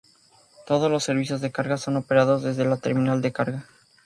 Todos los servicios de carga son operados desde la terminal de carga.